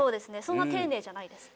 そんな丁寧じゃないです。